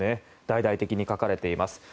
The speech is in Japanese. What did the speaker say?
大々的に描かれています。